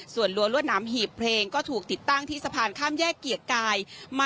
ส่วนรั้วรวดหนามหีบเพลงก็ถูกติดตั้งที่สะพานข้ามแยกเกียรติกาย